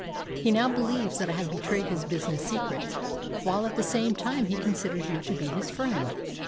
He now believes that I have betrayed his business secrets, while at the same time he considers you to be his friend!"